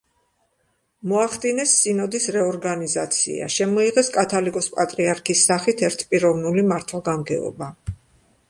მოახდინეს სინოდის რეორგანიზაცია; შემოიღეს კათალიკოს-პატრიარქის სახით ერთპიროვნული მართვა-გამგეობა.